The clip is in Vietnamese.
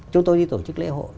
chúng tôi đi tổ chức lễ hội